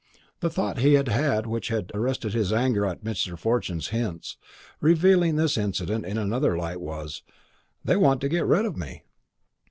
The thought he had had which had arrested his anger at Mr. Fortune's hints, revealing this incident in another light, was, "They want to get rid of me."